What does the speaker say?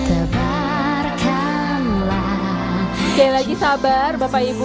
oke lagi sabar bapak ibu